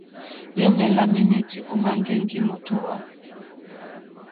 Liomè la menuti òma ŋgɛŋgi mòtohwa.